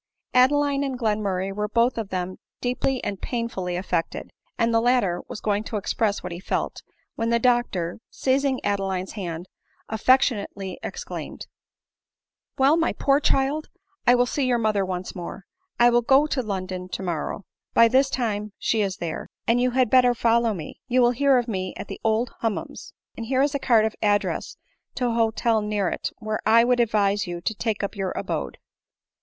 Adeline and Glenmurray were both of them deeply and painfully affected ; and the latter was going to ex press what he felt, when the doctor, seizing Adeline's , hand, affectionately exclaimed, " Well, my poor child ! I ' will see your mother once more ; I will go to London i t • to morrow — by tliis time she is there — and you had bet t I A i 108 ADELINE MOWRRAY. ter follow me ; you will hear of me at the Old Hum mums ; and here is a card of address to a hotel near it, where I would advise you to take up your abode.